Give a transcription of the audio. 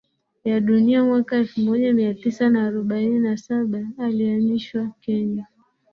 ya Dunia Mwaka elfu moja Mia Tisa na arobaini na Saba alihamishiwa Kenya